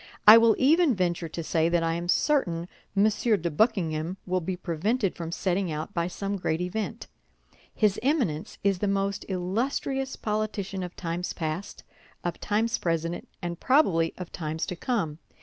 I will even venture to say that I am certain M. de Buckingham will be prevented from setting out by some great event. His Eminence is the most illustrious politician of times past, of times present, and probably of times to come.